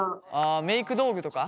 あメーク道具とか？